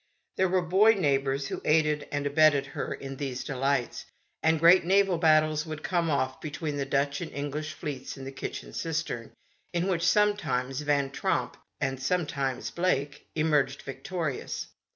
There were boy neighbors who aided and abetted her in these delights, and great naval battles would come off between the Dutch and English fleets in the kitchen cistern, in which some times Van Tromp and sometimes Blake emerged victorious.